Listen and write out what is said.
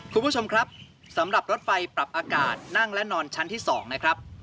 คุณผู้ชมครับสำหรับรถไฟปรับอากาศนั่งและนอนชั้นที่๒นะครับ